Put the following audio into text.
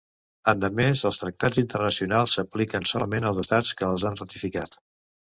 Endemés, els tractats internacionals s'apliquen solament als estats que els han ratificat.